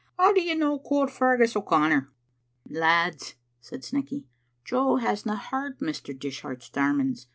How do you no quote Feargus O'Connor?" "Lads," said Snecky, "Jo hasna heard Mr. Dishart's sermons.